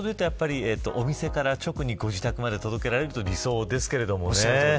お店から直でご自宅まで届けられるのが理想なんですけどね。